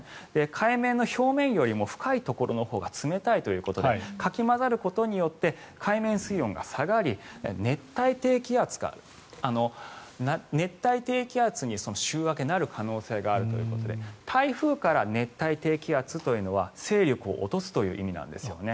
海面の表面よりも深いところのほうが冷たいということもありかき混ざることによって海面水温が下がり熱帯低気圧に週明けなる可能性があるということで台風から熱帯低気圧というのは勢力を落とすという意味なんですよね。